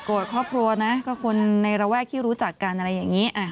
ครอบครัวนะก็คนในระแวกที่รู้จักกันอะไรอย่างนี้